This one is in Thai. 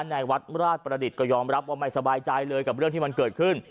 ในวัดราชประดิษฐ์ก็ยอมรับว่าไม่สบายใจเลยกับเรื่องที่มันเกิดขึ้น